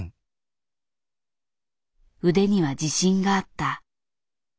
腕には自信があった。